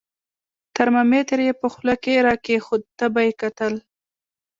ترمامیتر یې په خوله کې را کېښود، تبه یې کتل.